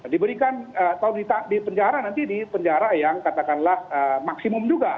diberikan kalau di penjara nanti di penjara yang katakanlah maksimum juga